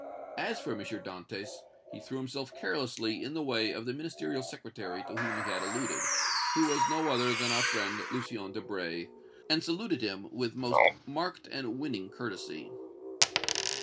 As for M. Dantès, he threw himself carelessly in the way of the Ministerial Secretary to whom he had alluded, who was no other than our friend Lucien Debray, and saluted him with most marked and winning courtesy.